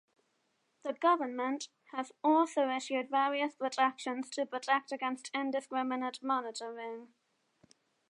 The government has also issued various protections to protect against indiscriminate monitoring.